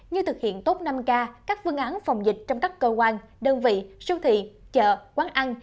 như thực hiện tốt năm k các phương án phòng dịch trong các cơ quan đơn vị siêu thị chợ quán ăn